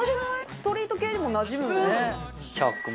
ストリート系でもなじむよね